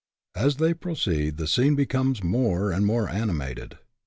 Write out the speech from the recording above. As they proceed the scene becomes more and more animated.